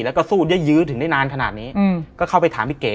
แล้วก็สู้เยอะยื้อถึงได้นานขนาดนี้ก็เข้าไปถามพี่เก๋